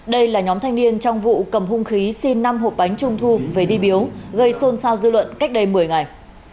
đây là nhóm thanh niên trong vụ cầm hung khí xin năm hộp bánh trung thu về đi biếu gây xôn xao dư luận cách đây một mươi ngày